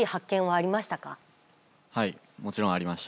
はいもちろんありました。